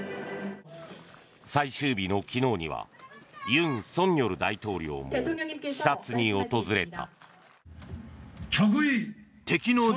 最終日の昨日には尹錫悦大統領も視察に訪れた。